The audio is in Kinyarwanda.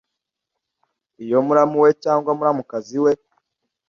Iyo muramu we cyangwa muramukazi we